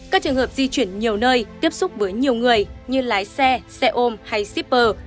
các trường hợp di chuyển nhiều nơi tiếp xúc với nhiều người như lái xe xe ôm hay shipper